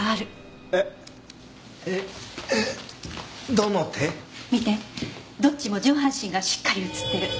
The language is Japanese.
どっちも上半身がしっかり映ってる。